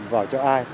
vào cho ai